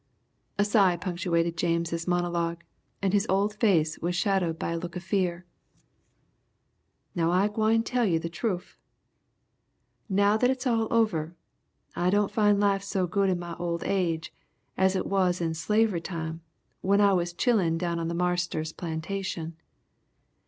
A sigh punctuated James' monologue, and his old face was shadowed by a look of fear. "Now I gwine tell you the troof. Now that it's all over I don't find life so good in my old age, as it was in slavery time when I was chillun down on Marster's plantation.